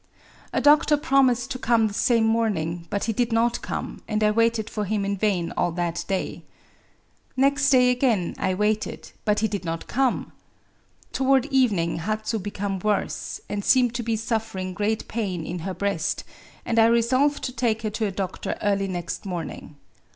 A doctor promised to come the same morning, but he did not come, and I waited for him in vain all that day. Next day again I waited, but he did riot come. Toward evening Hatsu became worse, and seemed to be suffering great pain in her breast, and I resolved to take her to a doctor early next morning.